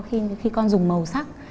khi con dùng màu sắc